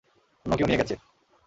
অন্য কেউ নিয়ে গেছে।